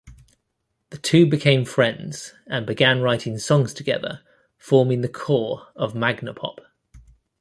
The two became friends and began writing songs together, forming the core of Magnapop.